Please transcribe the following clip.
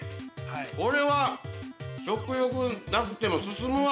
これは、食欲なくても進むわ。